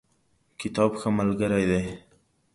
کتاب ښه ملګری دی.